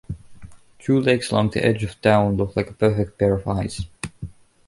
Two lakes along the edge of town look like a perfect pair of eyes.